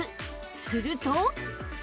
すると